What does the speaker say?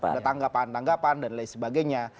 ada tanggapan tanggapan dan lain sebagainya